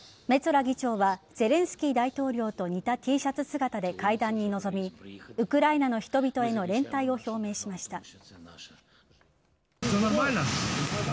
メツォラ議長はゼレンスキー大統領と似たＴシャツ姿で会談に臨みウクライナの人々への連帯を表明しました。